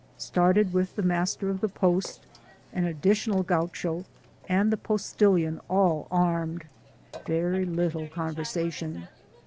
— Started with the master of the post, an additional Gaucho, and the postilion, all armed — ^very little conversation.